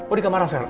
oh di kamarnya askara